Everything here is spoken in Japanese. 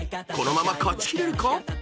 ［このまま勝ち切れるか？